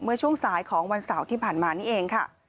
เมื่อช่วงสายของวันเสาร์ที่ผ่านมานี่เองค่ะ